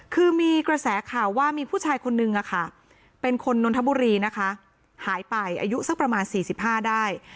คือมีกระแสข่าวว่ามีผู้ชายคนนึงเป็นคนนนทบุรีนะคะหายไปอายุสักประมาณ๔๕ได้